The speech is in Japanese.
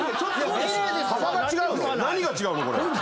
これ何が違うの？